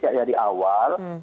mengerti dari awal